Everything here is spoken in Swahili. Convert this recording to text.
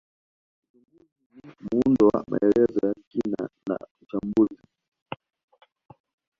Uchunguzi ni muundo wa maelezo ya kina na uchambuzi